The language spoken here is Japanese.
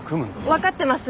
分かってます。